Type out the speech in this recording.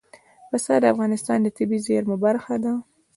پسه د افغانستان د طبیعي زیرمو برخه ده.